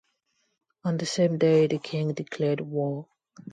On the same day the king declared war.